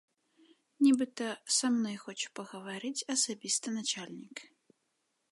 Нібыта, са мной хоча пагаварыць асабіста начальнік.